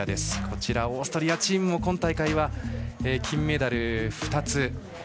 オーストリアチームも今大会は金メダル２つ。